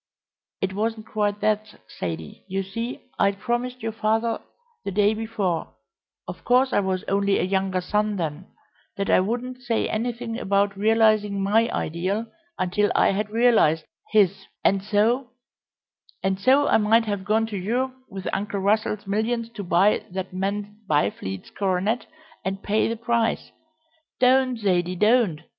"It wasn't quite that, Zaidie. You see, I'd promised your father the day before of course I was only a younger son then that I wouldn't say anything about realising my ideal until I had realised his, and so " "And so I might have gone to Europe with Uncle Russell's millions to buy that man Byfleet's coronet, and pay the price " "Don't, Zaidie, don't!